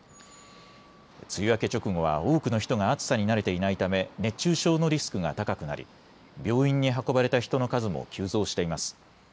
梅雨明け直後は多くの人が暑さに慣れていないため熱中症のリスクが高くなり病院に運ばれた人の数も急増しています。